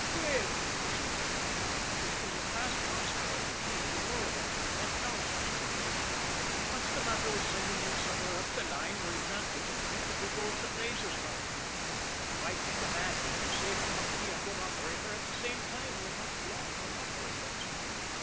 "Well," said Regan, "he's a past master on the key, we know that that counts for something. What's the matter with sending him somewhere up the line where he can't get a drink if he goes to blazes for it? It might make a man of him, and save the company a good operator at the same time we're not long on operators."